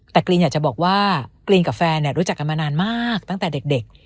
แต่กรีนอยากจะบอกว่ากรีนกับแฟนรู้จักกันมานานมากตั้งแต่เด็ก